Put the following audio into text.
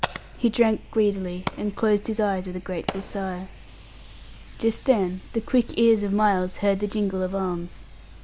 He drank greedily, and closed his eyes with a grateful sigh. Just then the quick ears of Miles heard the jingle of arms.